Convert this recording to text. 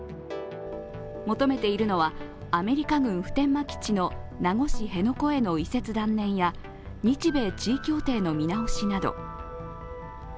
求めているのは、アメリカ軍普天間基地の名護市辺野古への移設断念や日米地位協定の見直しなど。